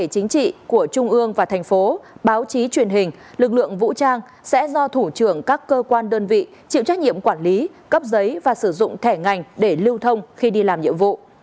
chính trị của trung ương và thành phố báo chí truyền hình lực lượng vũ trang sẽ do thủ trưởng các cơ quan đơn vị chịu trách nhiệm quản lý cấp giấy và sử dụng thẻ ngành để lưu thông khi đi làm nhiệm vụ